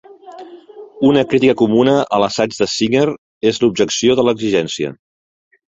Una crítica comuna a l'assaig de Singer és l'objecció de l'exigència.